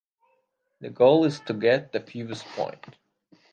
The goal is to get the fewest points.